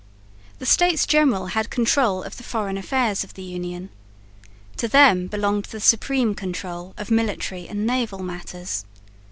The States General had control of the foreign affairs of the Union. To them belonged the supreme control of military and naval matters.